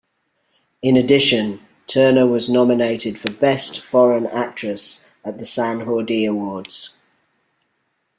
In addition, Turner was nominated for Best Foreign Actress at the Sant Jordi Awards.